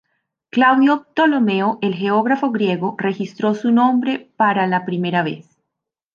Claudio Ptolomeo, el geógrafo griego, registró su nombre para la primera vez.